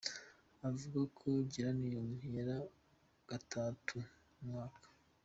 Avuga ko Geranium yera gatatu mu mwaka.